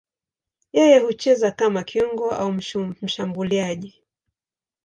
Yeye hucheza kama kiungo au mshambuliaji.